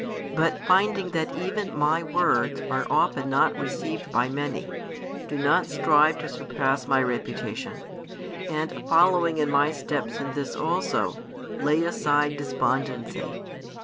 But finding that even My words are often not received by many, do not strive to surpass My reputation, and, following in My steps in this also, lay aside despondency.